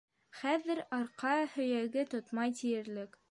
Хәҙер арҡа һөйәге тотмай тиерлек.